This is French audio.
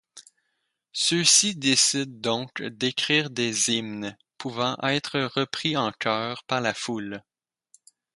Ceux-ci décident donc d'écrire des hymnes pouvant être repris en chœur par la foule.